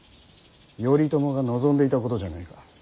頼朝が望んでいたことじゃねえか。